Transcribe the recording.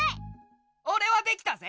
オレはできたぜ！